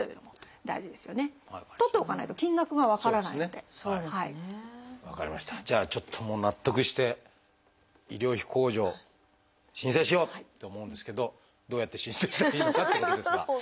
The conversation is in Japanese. じゃあちょっともう納得して医療費控除申請しようって思うんですけどどうやって申請したらいいのかっていうことですが。